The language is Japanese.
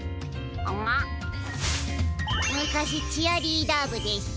むかしチアリーダーぶでした。